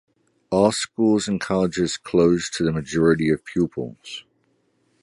All schools and colleges closed to the majority of pupils.